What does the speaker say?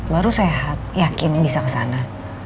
baru sehat yakin bisa ke sana